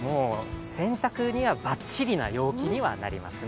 洗濯にはバッチリな陽気にはなりますね。